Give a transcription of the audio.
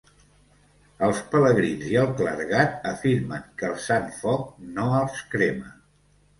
Els pelegrins i el clergat afirmen que el Sant Foc no els crema.